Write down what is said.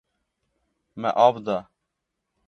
Me av da.